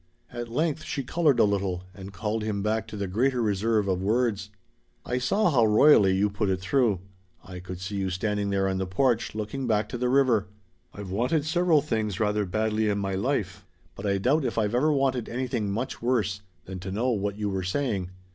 At length she colored a little and called him back to the greater reserve of words. "I saw how royally you put it through. I could see you standing there on the porch, looking back to the river. I've wanted several things rather badly in my life, but I doubt if I've ever wanted anything much worse than to know what you were saying.